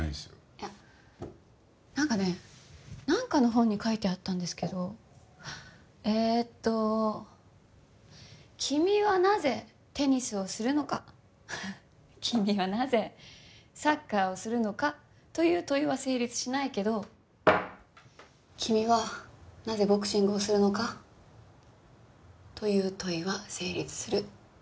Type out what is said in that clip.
いやなんかねなんかの本に書いてあったんですけどえっと君はなぜテニスをするのか君はなぜサッカーをするのかという問いは成立しないけど君はなぜボクシングをするのかという問いは成立する。